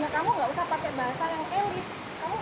ya kamu gak usah pakai bahasa yang elit